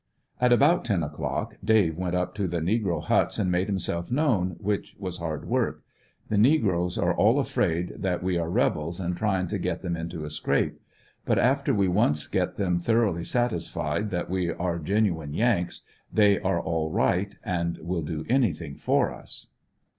At about ten o'clock Dave went up to the negro huts and made himself known, which was hard work. The negroes are all afraid that we are rebels and tryiu': to get them into a scrape, but after we once get them thoroughly satisfied that we are genuine Yanks they are all right, and will do anything for us.